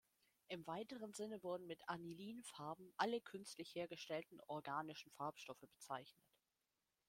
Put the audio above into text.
Im weiteren Sinne wurden mit Anilinfarben alle künstlich hergestellten organischen Farbstoffe bezeichnet.